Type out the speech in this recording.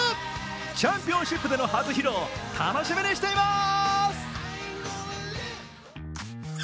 チャンピオンシップでの初披露楽しみにしてます。